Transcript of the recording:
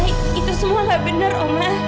itu semua gak benar oma